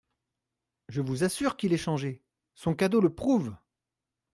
Je vous assure qu'il est changé ! Son cadeau le prouve.